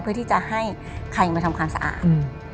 เพื่อที่จะให้ใครมาทำความสะอาด